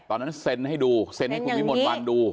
ตอนนั้นเซ็นให้ดูเซ็นให้คุณวิมนต์วันดู